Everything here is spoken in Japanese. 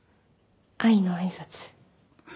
『愛の挨拶』。